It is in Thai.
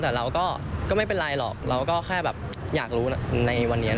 แต่เราก็ไม่เป็นไรหรอกเราก็แค่แบบอยากรู้ในวันนี้